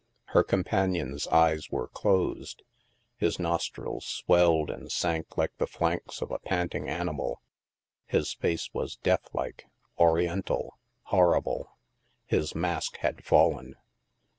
Her companion's eyes were closed, his nostrils swelled and sank like the flanks of a panting animal, his face was death Hke, oriental, horrible. His mask had fallen.